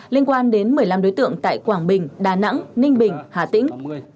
liên quan đến một mươi năm đối tượng tại quảng bình đà nẵng ninh bình hà tĩnh